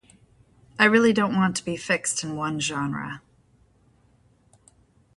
I really don't want to be fixed in one genre.